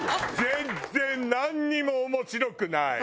全然なんにも面白くない。